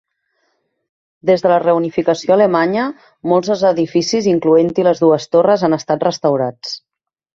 Des de la reunificació alemanya molts dels edificis, incloent-hi les dues torres, han estat restaurats.